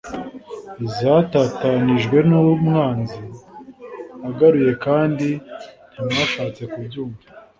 Izatatanijwe numwanzi agaruye kandi ntimwashatse kubyumva